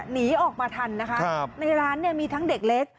หนีออกมาทันนะคะในร้านเนี่ยมีทั้งเด็กเล็ก